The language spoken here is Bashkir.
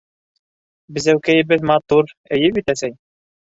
Безәүкәйебеҙ матур, эйе бит, әсәй?